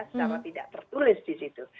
secara tidak tertulis di situ